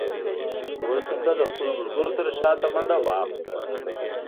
ميرويس نيکه له خپلو ملګرو سره شاته منډه واخيسته.